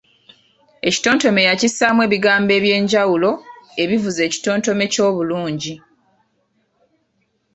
Ekitontome yakissaamu ebigambo eby’enjawulo ebivuza ekitontome kye obulungi.